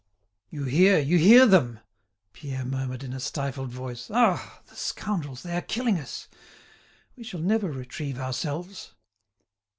"You hear, you hear them?" Pierre murmured in a stifled voice. "Ah! the scoundrels, they are killing us; we shall never retrieve ourselves."